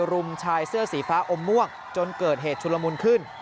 รุมชายเสื้อสีฟ้าอมม่วงจนเกิดเหตุชุลมุนขึ้น